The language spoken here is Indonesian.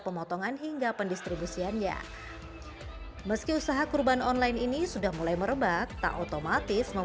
pemotongan hingga pendistribusian ya meski usaha kurban online ini sudah mulai merebak tak otomatis